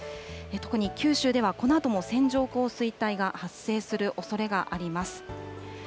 特に九州ではこのあとも、線状降水帯が発生するおそれがあります。